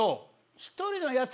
１人のやつ？